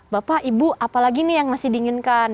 bapak ibu apalagi nih yang masih dinginkan